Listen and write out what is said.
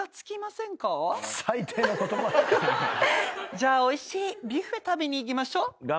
じゃあおいしいビュッフェ食べに行きましょう。